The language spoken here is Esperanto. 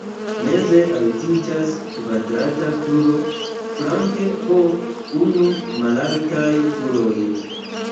Meze altiĝas kvadrata turo, flanke po unu malaltaj turoj.